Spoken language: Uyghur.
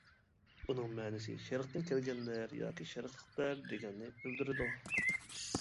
ئۇنىڭ مەنىسى «شەرقتىن كەلگەنلەر ياكى شەرقلىقلەر» دېگەننى بىلدۈرىدۇ.